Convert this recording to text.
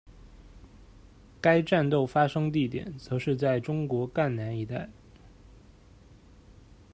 该战斗发生地点则是在中国赣南一带。